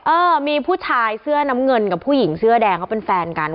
เออมีผู้ชายเสื้อน้ำเงินกับผู้หญิงเสื้อแดงเขาเป็นแฟนกัน